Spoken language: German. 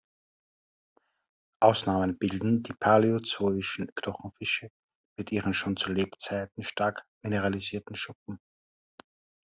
Ausnahmen bilden die paläozoischen Knochenfische mit ihren schon zu Lebzeiten stark mineralisierten Schuppen.